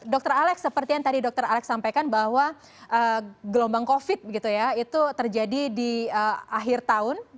dr alex seperti yang tadi dr alex sampaikan bahwa gelombang covid itu terjadi di akhir tahun